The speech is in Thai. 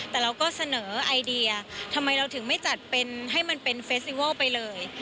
แต่เราก็เสนอไอเดียทำไมเราถึงไม่จัดเป็นให้มันเป็นเฟสติวัลไปเลย